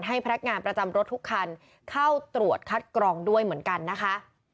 ให้พนักงานประจำรถทุกคันเข้าตรวจคัดกรองด้วยเหมือนกันนะคะ